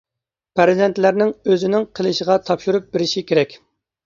پەرزەنتلەرنىڭ ئۆزىنىڭ قىلىشىغا تاپشۇرۇپ بېرىشى كېرەك.